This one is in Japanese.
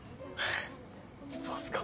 そうっすか。